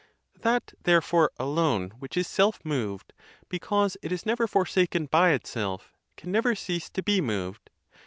That, therefore, alone, which is self moved, because it is never forsaken by itself, can never cease to be moved.